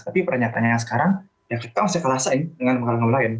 tapi pernyatanya sekarang ya kita harus dikelasain dengan mengalami lain